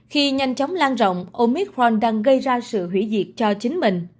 khi nhanh chóng lan rộng omicron đang gây ra sự hủy diệt cho chính mình